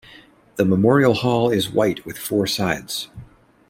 The Memorial Hall is white with four sides.